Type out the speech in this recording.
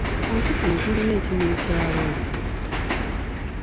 Ku nsi kuno tulina ekimuli kya Looza